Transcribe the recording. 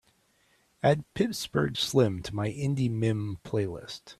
Add pittsburgh slim to my indie mim playlist.